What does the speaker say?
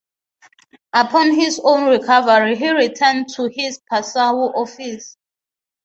Upon his own recovery he returned to his Passau office.